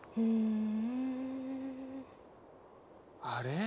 あれ？